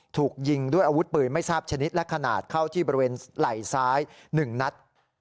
ถูกยิงด้วยอาวุธปืนไม่ทราบชนิดและขนาดเข้าที่บริเวณไหล่ซ้าย๑นัด